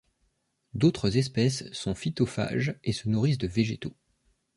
D'autres espèces sont phytophages et se nourrissent de végétaux.